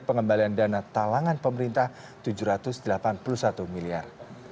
pengembalian dana talangan pemerintah rp tujuh ratus delapan puluh satu miliar